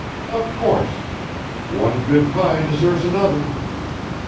"Of course. One good pie deserves another.